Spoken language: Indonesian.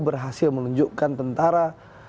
berhasil menunjukkan tentara